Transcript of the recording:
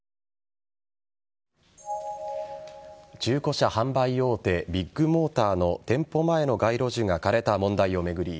中古車販売大手ビッグモーターの店舗前の街路樹が枯れた問題を巡り